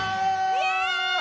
イエイ！